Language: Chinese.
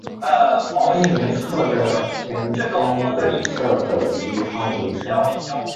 村民靠着村庄北侧的鱼塘维生。